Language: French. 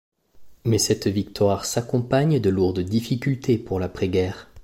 Mais cette victoire s'accompagne de lourdes difficultés pour l'après-guerre.